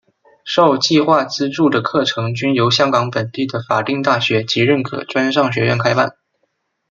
受计划资助的课程均由香港本地的法定大学及认可专上学院开办。